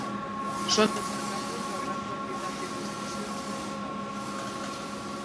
Són destacables la gran quantitat d'il·lustracions que portava.